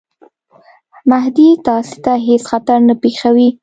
مهدي تاسي ته هیڅ خطر نه پېښوي.